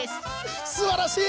すばらしい！